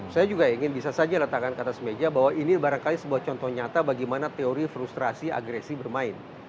saya juga ingin bisa saja letakkan ke atas meja bahwa ini barangkali sebuah contoh nyata bagaimana teori frustrasi agresi bermain